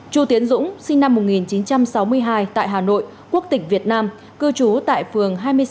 chu tiến dũng sinh năm một nghìn chín trăm sáu mươi hai tại hà nội quốc tịch việt nam cư trú tại phường hai mươi sáu